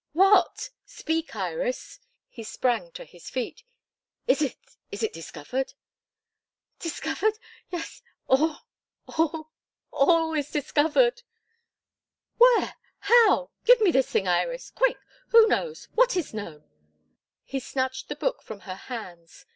"What? Speak, Iris." He sprang to his feet. "Is it is it discovered?" "Discovered? Yes, all all all is discovered!" "Where? How? Give me the thing, Iris. Quick! Who knows? What is known?" He snatched the book from her hands.